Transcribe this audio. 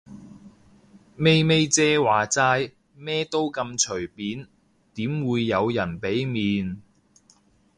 咪咪姐話齋，咩都咁隨便，點會有人俾面